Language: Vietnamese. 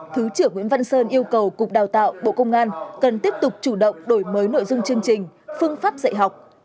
thứ trưởng nguyễn văn sơn yêu cầu cục đào tạo bộ công an cần tiếp tục chủ động đổi mới nội dung chương trình phương pháp dạy học